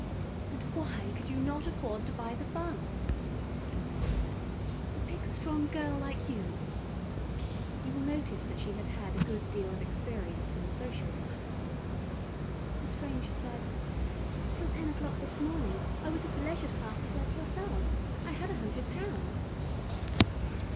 "And why could you not afford to buy the bun?" asked Miss Ford. "A big strong girl like you." You will notice that she had had a good deal of experience in social work. The Stranger said: "Up till ten o'clock this morning I was of the leisured classes like yourselves. I had a hundred pounds."